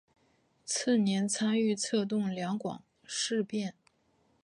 次年参与策动两广事变。